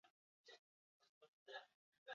Hala ere, ezer ez da aurreikusi bezain erraza izango.